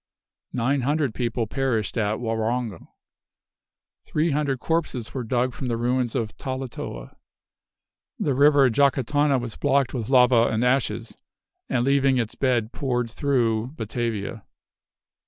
Nine hundred people perished at Waronge. Three hundred corpses were dug from the ruins of Talatoa. The river Jacatana was blocked with lava and ashes, and leaving its bed poured through Batavia.